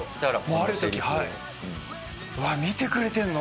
うわっ見てくれてるの？